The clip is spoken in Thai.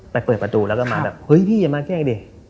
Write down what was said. เปิดประตูแล้วก็มาแบบเฮ้ยพี่อย่ามาแจ้งดิ